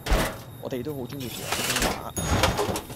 我哋都好鍾意廣東話